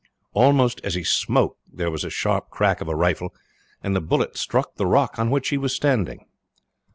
Almost as he spoke there was a sharp crack of a rifle, and the bullet struck the rock on which he was standing.